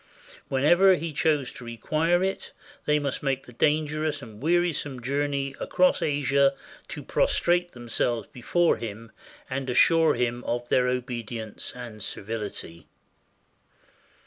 Whenever he chose to require it, they must make the dangerous and wearisome journey across Asia to prostrate themselves before him and assure him of their obe dience and servility.